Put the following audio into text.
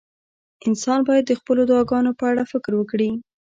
انسان باید د خپلو دعاګانو په اړه فکر وکړي.